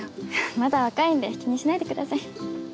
まだ若いんで気にしないでください。